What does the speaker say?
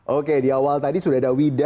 oke di awal tadi sudah ada wida